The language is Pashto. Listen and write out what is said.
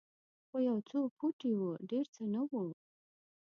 خو یو څو پوټي وو ډېر څه نه وو.